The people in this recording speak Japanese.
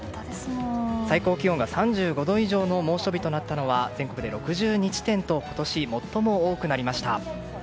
最高気温が３５度以上の猛暑日となったのは全国で６２地点と今年最も多くなりました。